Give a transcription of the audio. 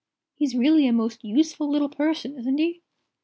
"He's really a most useful little person, isn't he?"